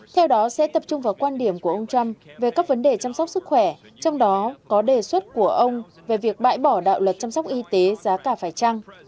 theo đó sẽ tập trung vào quan điểm của ông trump về các vấn đề chăm sóc sức khỏe trong đó có đề xuất của ông về việc bãi bỏ đạo luật chăm sóc y tế giá cả phải trăng